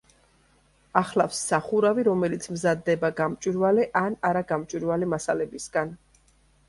ახლავს სახურავი, რომელიც მზადდება გამჭვირვალე ან არაგამჭვირვალე მასალებისგან.